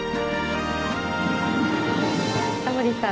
タモリさん